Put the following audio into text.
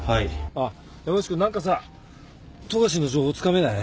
あっ山内君何かさ富樫の情報つかめない？